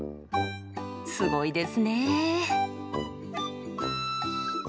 すごいですね！